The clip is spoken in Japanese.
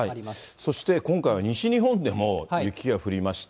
そして、今回は西日本でも雪が降りまして。